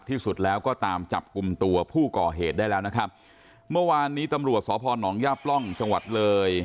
ที่สุดแล้วก็ตามจับกลุ่มตัวผู้ก่อเหตุได้แล้วนะครับเมื่อวานนี้ตำรวจสพนย่าปล่องจังหวัดเลย